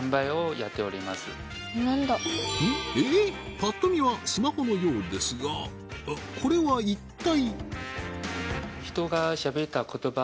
パッと見はスマホのようですがこれは一体！？